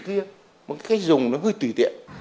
một cái cách dùng nó hơi tùy tiện